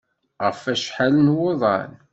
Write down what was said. Ɣef wacḥal n wuḍan?